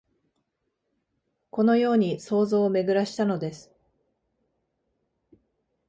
このように想像をめぐらしたのです